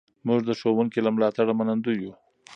موږ د ښوونکي له ملاتړه منندوی یو.